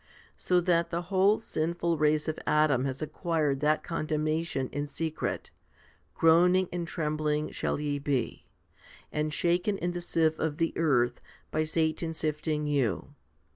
So that the whole sinful race of Adam has acquired that condemnation in secret, Groaning and trembling shall ye be, and shaken in the sieve of the earth, by Satan sifting you.